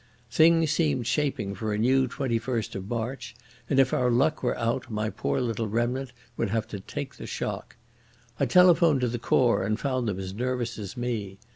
Things seemed shaping for a new 21st of March, and, if our luck were out, my poor little remnant would have to take the shock. I telephoned to the Corps and found them as nervous as me.